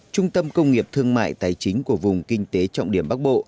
trung tâm công nghiệp thương mại tài chính của vùng kinh tế trọng điểm bắc bộ